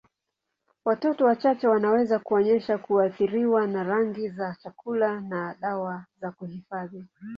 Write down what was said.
Watoto wachache wanaweza kuonyesha kuathiriwa na rangi za chakula na dawa za kuhifadhi.